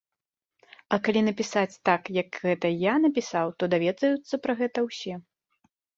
А калі напісаць так, як гэта я напісаў, то даведаюцца пра гэта ўсе.